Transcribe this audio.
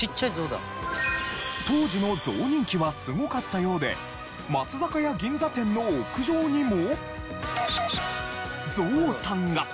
当時の象人気はすごかったようで松坂屋銀座店の屋上にも象さんが！